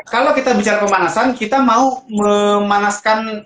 kalau kita bicara pemanasan kita mau memanaskan